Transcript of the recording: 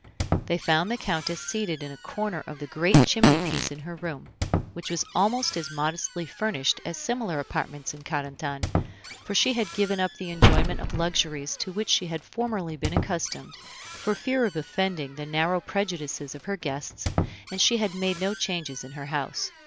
They found the Countess seated in a corner of the great chimney piece in her room, which was almost as modestly furnished as similar apartments in Carentan; for she had given up the enjoyment of luxuries to which she had formerly been accustomed, for fear of offending the narrow prejudices of her guests, and she had made no changes in her house.